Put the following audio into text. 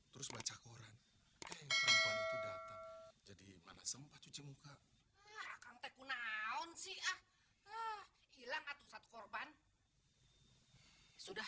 terus baca koran jadi mana sempat cuci muka kenaun sih ah hilang atau satu korban sudah